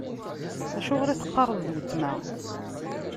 Acuɣer i teqqareḍ: D weltma?